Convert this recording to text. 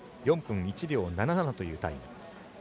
４分１秒７７というタイム。